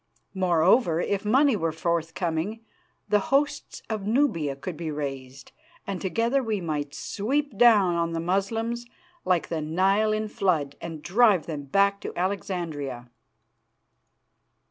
Moreover, if money were forthcoming, the hosts of Nubia could be raised, and together we might sweep down on the Moslems like the Nile in flood, and drive them back to Alexandria."